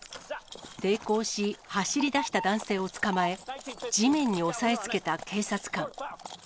抵抗し、走りだした男性を捕まえ、地面に押さえつけた警察官。